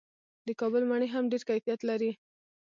د کابل مڼې هم ډیر کیفیت لري.